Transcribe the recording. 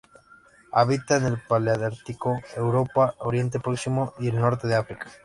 Habita en el paleártico: Europa, Oriente Próximo y el norte de África.